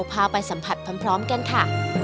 พาไปสัมผัสพร้อมกันค่ะ